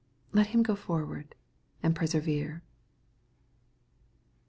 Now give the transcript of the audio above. Let him go forward, and persevere.